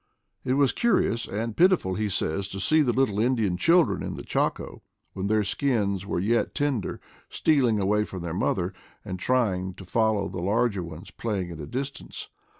It was curi ous and pitiful, he says, to see the little Indian children in the Chaco, when their skins were yet tender, stealing away from their mother, and try ing to follow the larger ones playing at a distance.